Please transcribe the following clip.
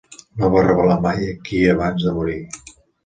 No va revelar mai qui abans de morir.